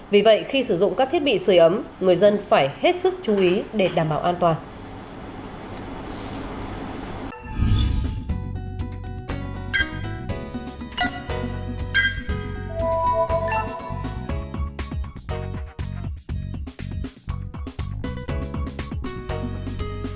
vì vậy khi sử dụng các thiết bị sửa ấm người dân phải hết sức chú ý để đảm bảo an toàn